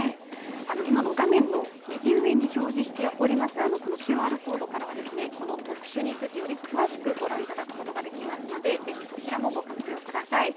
今の画面の右上に表示しております、このＱＲコードからは、この特集について、より詳しくご覧いただくことができますので、ぜひそちらもご活用ください。